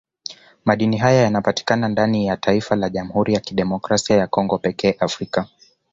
Madini haya yanapatika ndani ya taifa la Jamhuri ya Kidemokrasia ya Congo pekee Afrika